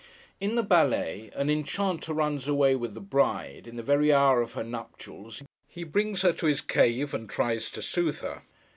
In the ballet, an Enchanter runs away with the Bride, in the very hour of her nuptials, He brings her to his cave, and tries to soothe her.